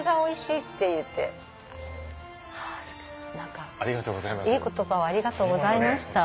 いい言葉をありがとうございました。